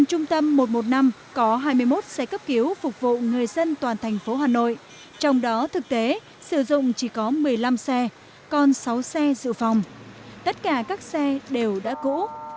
trung tâm một trăm một mươi năm có hai mươi một xe cấp cứu phục vụ người dân toàn thành phố hà nội trong đó thực tế sử dụng chỉ có một mươi năm xe còn sáu xe dự phòng tất cả các xe đều đã cũ